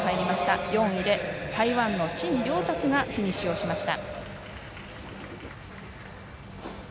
４位に台湾の陳亮達がフィニッシュしました。